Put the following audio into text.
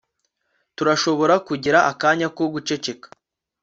Turashobora kugira akanya ko guceceka